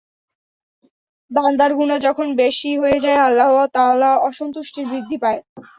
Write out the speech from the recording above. বান্দার গুনাহ যখন বেশি হয়ে যায়, আল্লাহ তাআলার অসন্তুষ্টি বৃদ্ধি পায়।